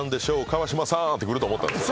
川島さん」って来ると思ったんですよ。